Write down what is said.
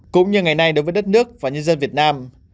cũng như ngày nay đối với đất nước và nhân dân việt nam